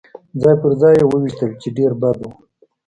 ځای پر ځای يې وویشتل، چې ډېر بد و.